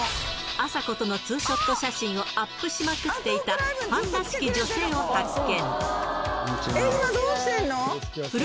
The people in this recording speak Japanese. あさことのツーショット写真をアップしまくっていた、ファンらしき女性を発見。